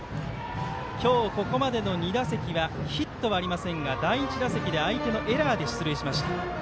今日、ここまでの２打席はヒットはありませんが第１打席で相手のエラーで出塁しました。